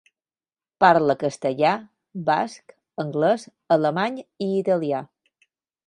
Parla castellà, basc, anglès, alemany i italià.